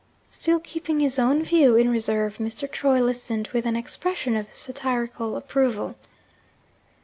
Still keeping his own view in reserve, Mr. Troy listened with an expression of satirical approval.